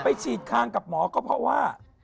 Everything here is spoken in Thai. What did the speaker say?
ฉีดคางกับหมอก็เพราะว่า